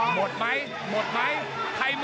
หมดมั้ยหมดมั้ยใครหมด